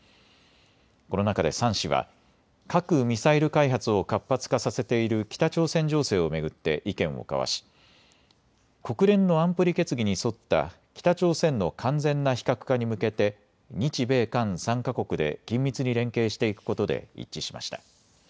この中で３氏は核・ミサイル開発を活発化させている北朝鮮情勢を巡って意見を交わし国連の安保理決議に沿った北朝鮮の完全な非核化に向けて日米韓３か国で緊密に連携していくことで一致しました。